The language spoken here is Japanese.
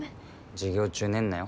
授業中寝んなよ。